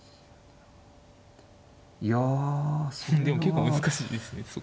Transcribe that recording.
でも結構難しいですね。